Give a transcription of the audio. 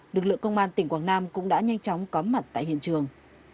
lực lượng công an tỉnh quảng nam cũng đã nhanh chóng có mặt tại hiện trường